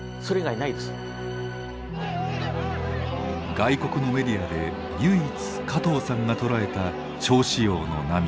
外国のメディアで唯一加藤さんが捉えた趙紫陽の涙。